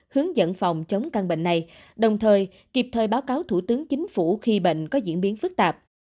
hướng dẫn phòng chống căn bệnh này đồng thời kịp thời báo cáo thủ tướng chính phủ khi bệnh có diễn biến phức tạp